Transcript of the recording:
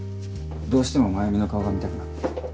どうしても繭美の顔が見たくなって。